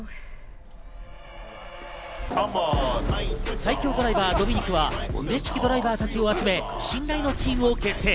最強ドライバー、ドミニクは腕効きドライバーたちを集め、信頼のチームを結成。